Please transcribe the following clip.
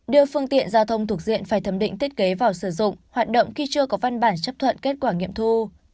đưa phương tiện giao thông thuộc diện phải thẩm định thiết kế vào sử dụng hoạt động khi chưa có văn bản chấp thuận kết quả nghiệm thu